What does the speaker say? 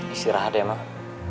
istirahat ya emang